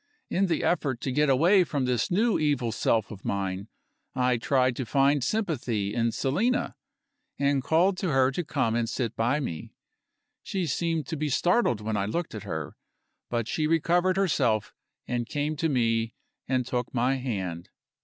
In the effort to get away from this new evil self of mine, I tried to find sympathy in Selina, and called to her to come and sit by me. She seemed to be startled when I looked at her, but she recovered herself, and came to me, and took my hand.